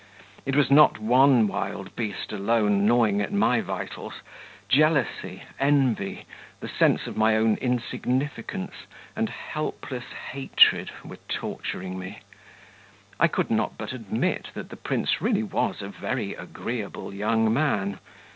It was not one wild beast alone gnawing at my vitals; jealousy, envy, the sense of my own insignificance, and helpless hatred were torturing me. I could not but admit that the prince really was a very agreeable young man....